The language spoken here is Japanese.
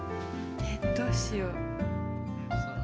えっどうしよう。